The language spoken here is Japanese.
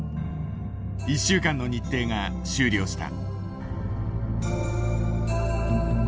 １週間の日程が終了した。